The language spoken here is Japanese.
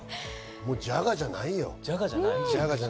もう、じゃがじゃないよ。